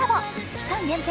期間限定